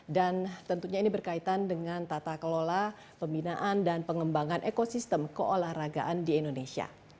dan tentunya ini berkaitan dengan tata kelola pembinaan dan pengembangan ekosistem keolahragaan di indonesia